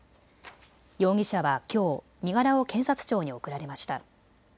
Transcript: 容疑者はきょう身柄を検察庁に送られました。